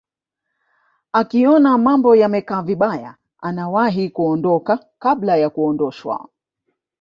akiona mambo yamekaa vibaya anawahi kuondoka kabla ya kuondoshwa